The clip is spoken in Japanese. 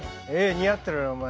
似合ってるよお前。